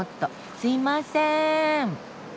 すいません。